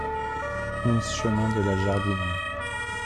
onze chemin de la Jardinie